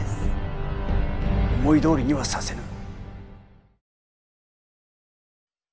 思いどおりにはさせぬ。